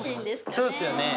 そうですよね。